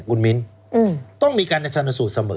คุณมิ้นต้องมีการชนสูตรเสมอ